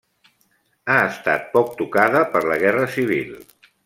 Ha estat poc tocada per la guerra civil.